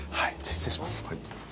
失礼します。